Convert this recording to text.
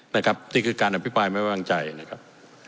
นะครับนี่คือการอภิปรายไม่ไว้วางใจนะครับ